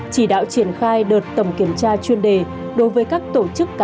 chỉ đạo triển khai đợt tổng kiểm tra chuyên đề đối với các tổ chức cá nhân